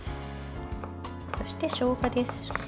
そして、しょうがです。